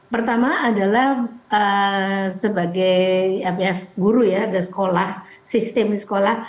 pertama adalah sebagai guru ya ada sekolah sistem di sekolah